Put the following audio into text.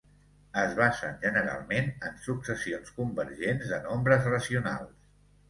Es basen generalment en successions convergents de nombres racionals.